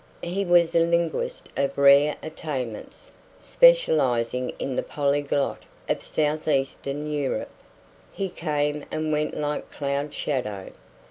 He was a linguist of rare attainments, specializing in the polyglot of southeastern Europe. He came and went like cloud shadow.